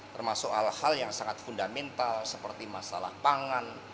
termasuk hal hal yang sangat fundamental seperti masalah pangan